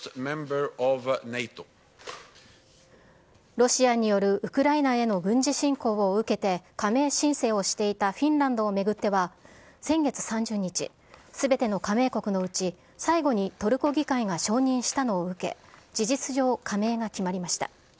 ロシアによるウクライナへの軍事侵攻を受けて、加盟申請をしていたフィンランドを巡っては先月３０日、すべての加盟国のうち、最後にトルコ議会が承認したのを受け、事実上加盟が決まりました。